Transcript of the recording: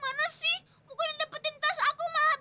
pala di tas itu tuh ada perhiasan baju makeup